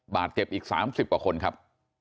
บาดเจ็บอีก๓๐กว่าคนครับ